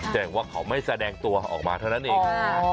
แจ้งว่าเขาไม่แสดงตัวออกมาเท่านั้นเอง